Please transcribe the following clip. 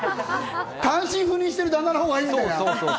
単身赴任している旦那のほうがいいみたいな。